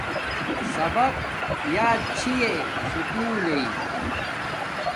سبق یات چھی یݵ سکُول لݵ